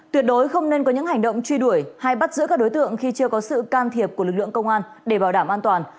tuyệt đối không nên có những hành động truy đuổi hay bắt giữ các đối tượng khi chưa có sự can thiệp của lực lượng công an để bảo đảm an toàn